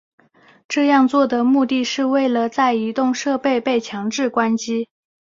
这样做的目的是为了在移动设备被强制关机。